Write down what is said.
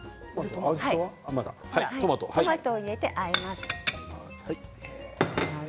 トマトを入れてあえます。